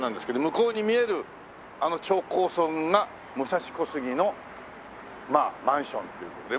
向こうに見えるあの超高層群が武蔵小杉のマンションという事で。